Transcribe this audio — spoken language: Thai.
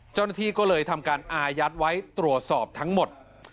เจ้าหน้าที่ก็เลยทำการอายัดไว้ตรวจสอบทั้งหมด